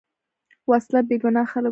وسله بېګناه خلک وژلي